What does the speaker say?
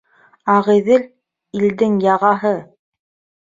Ағиҙел- илдең яғаһы.